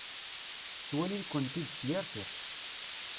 Ttwalin-kent-id s yir tiṭ.